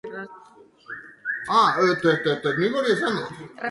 Euskarak unibertsitate mailan egoera azpi-instituzionala duela erakutsi du geroago ere.